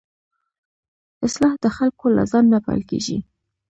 اصلاح د خلکو له ځان نه پيل کېږي.